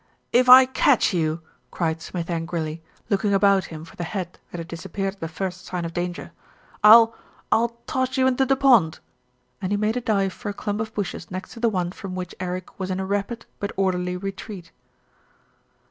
"If I catch you," cried Smith angrily, looking about him for the head that had disappeared at the first sign of danger, "I'll I'll toss you into the pond," and he made a dive for a clump of bushes next to the one from which Eric was in rapid, but orderly retreat.